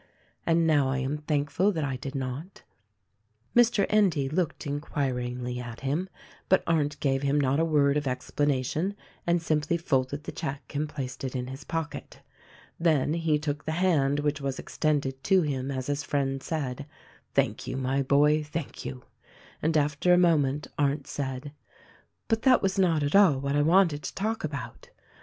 And now I am thankful that I did not." Mr. Endy looked inquiringly at him, but Arndt gave him not a word of explanation and simply folded the check and placed it in his pocket. Then he took the hand which was extended to him as his friend said, "Thank you, my boy, thank you;" and after a moment Arndt said, "But that was not at all what I wanted to talk about.